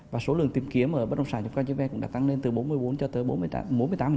và số lượng tìm kiếm ở bất đồng sản trong các chế vệ cũng đã tăng lên từ bốn mươi bốn cho tới bốn mươi tám